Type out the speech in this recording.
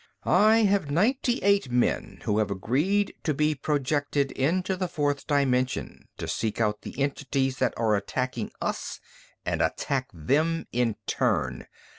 "I have ninety eight men who have agreed to be projected into the fourth dimension to seek out the entities that are attacking us and attack them in turn.